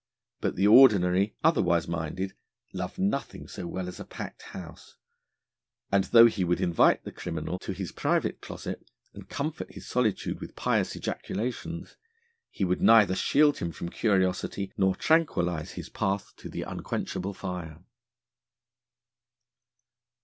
But the Ordinary, otherwise minded, loved nothing so well as a packed house, and though he would invite the criminal to his private closet, and comfort his solitude with pious ejaculations, he would neither shield him from curiosity, nor tranquillise his path to the unquenchable fire.